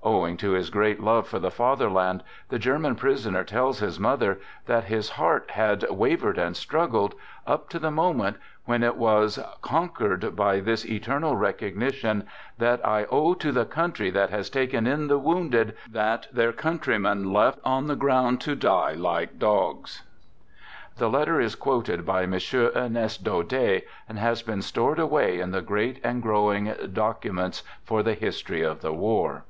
Owing to his great love for the Father land, the German prisoner tells his mother that his heart had " wavered and struggled," up to the mo ment when it " was conquered by this eternal recog nition that I owe to the country that has taken in the wounded that their countrymen left on the ground to die like dogs." The letter is quoted by M. Ernest Daudet, and has been stored away in the great and growing " Documents for the History of the War."